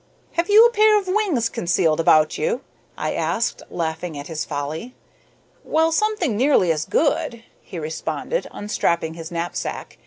"Have you a pair of wings concealed about you?" I asked, laughing at his folly. "Well, something nearly as good," he responded, unstrapping his knapsack.